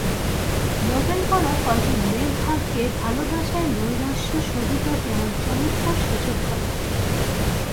নভেল-পড়া কয়জন মেয়ের ভাগ্যে ভালোবাসার নৈরাশ্য সহিবার এমন চমৎকার সুযোগ ঘটে!